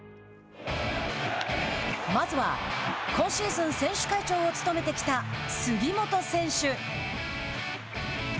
まずは今シーズン選手会長を務めてきた杉本選手。